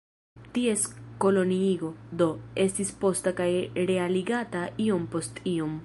Ties koloniigo, do, estis posta kaj realigata iom post iom.